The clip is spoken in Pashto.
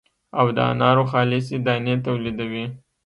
او د انارو خالصې دانې تولیدوي.